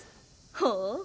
ほう。